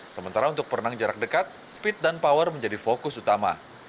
sementara untuk perenang jarak dekat speed dan power menjadi fokus utama